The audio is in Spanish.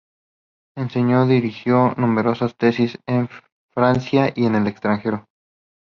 Enseñó, dirigió numerosas tesis en Francia y en el extranjero.